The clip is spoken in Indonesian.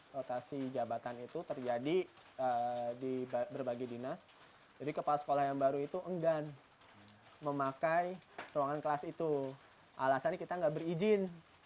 rotasi jabatan itu terjadi di berbagai dinas jadi kepala sekolah yang baru itu enggan memakai ruangan